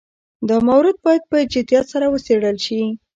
دا مورد باید په جدیت سره وڅېړل شي.